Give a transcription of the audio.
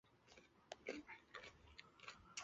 后以郎中身份跟从朱文正镇守南昌。